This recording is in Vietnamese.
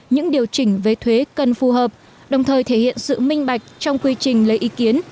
những điều chỉnh về thuế cần phù hợp đồng thời thể hiện sự minh bạch trong quy trình lấy ý kiến